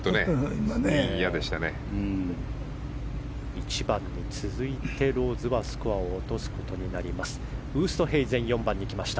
１番に続いてローズはスコアを落とすことになりました。